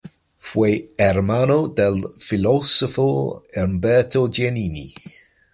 Fue hermano del filósofo Humberto Giannini.